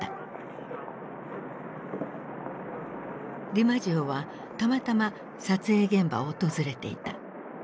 ディマジオはたまたま撮影現場を訪れていた。